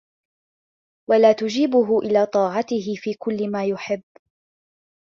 وَلَا تُجِيبُهُ إلَى طَاعَتِهِ فِي كُلِّ مَا يُحِبُّ